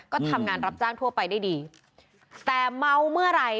ก็ทำงานรับจ้างทั่วไปได้ดีแต่เมาเมื่อไหร่